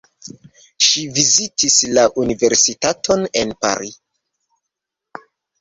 Ŝi vizitis la universitaton en Paris.